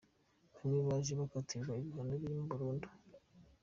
Bamwe baje gukatirwa ibihano birimo burundu